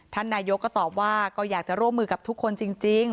นายกก็ตอบว่าก็อยากจะร่วมมือกับทุกคนจริง